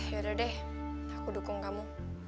yaudah deh aku dukung kamu